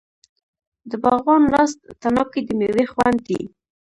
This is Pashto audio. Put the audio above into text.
د باغوان لاس تڼاکې د میوې خوند دی.